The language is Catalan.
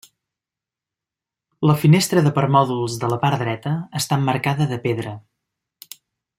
La finestra de permòdols de la part dreta està emmarcada de pedra.